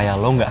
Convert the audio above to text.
ya ampun mamai